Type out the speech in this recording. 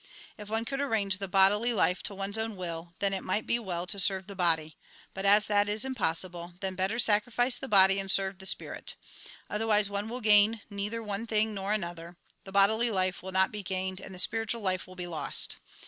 If one could arrange the bodily life to one's own will, then it might be well to serve the body ; but as that is impossible, then better sacrifice the body, and serve the Spirit. Otherwise, one will gain neither one thing nor another ; the bodily life will not be gained, and the spiritual life will be lost.